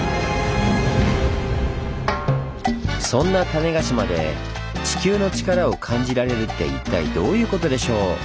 そんな種子島で地球のチカラを感じられるって一体どういうことでしょう？